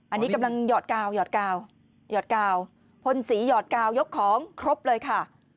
อันนี้กำลังหยอดกาวพ่นสีหยอดกาวยกของครบเลยค่ะ